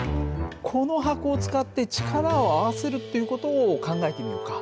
この箱を使って力を合わせるっていう事を考えてみようか。